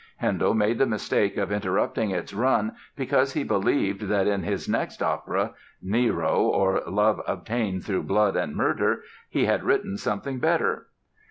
Handel made the mistake of interrupting its run because he believed that in his next opera, "Nero, or Love Obtained Through Blood and Murder," he had written something better.